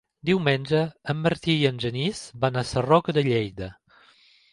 Diumenge en Martí i en Genís van a Sarroca de Lleida.